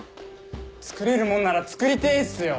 つくれるもんならつくりてぇっすよ！